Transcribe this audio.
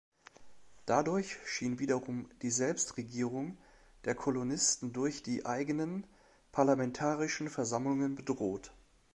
Dadurch schien wiederum die Selbstregierung der Kolonisten durch die eigenen parlamentarischen Versammlungen bedroht.